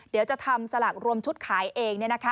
เดี๋ยวจะทำสลากรวมชุดขายเอง